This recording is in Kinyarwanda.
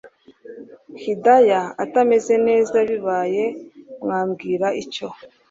Hidaya atameze neza bibaye mwabwira icyo